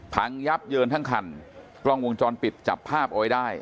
พังยับเยินทั้งคันกล้องวงจรปิดจับภาพเอาไว้ได้